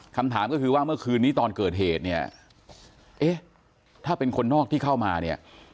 คำถามก็คือว่าเมื่อคืนนี้ตอนเกิดเหตุเนี่ยเอ๊ะถ้าเป็นคนนอกที่เข้ามาเนี่ย